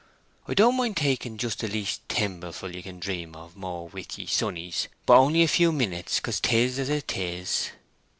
"I don't mind taking just the least thimbleful ye can dream of more with ye, sonnies. But only a few minutes, because 'tis as 'tis."